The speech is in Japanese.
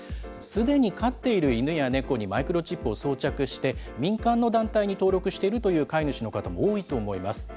すでに飼っている犬や猫にマイクロチップを装着して、民間の団体に登録しているという飼い主の方も多いと思います。